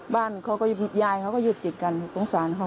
บ้านเขาก็ยายเขาก็อยู่ติดกันสงสารเขา